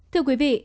thưa quý vị